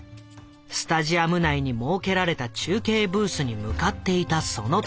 スタジアム内に設けられた中継ブースに向かっていたその時。